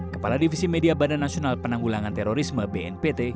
kepala divisi media badan nasional penanggulangan terorisme bnpt